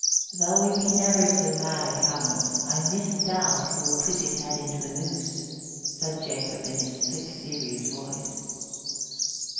"Though he be never so mad a callant, I misdoubt he will put his head into a noose," said Jacob in his thick, serious voice.